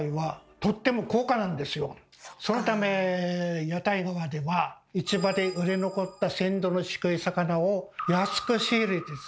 そのため屋台とかでは市場で売れ残った鮮度の低い魚を安く仕入れてですね